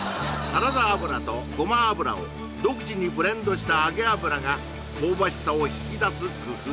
サラダ油とごま油を独自にブレンドした揚げ油が香ばしさを引き出す工夫